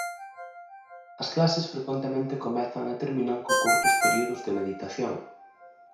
As clases frecuentemente comezan e terminan con curtos períodos de meditación.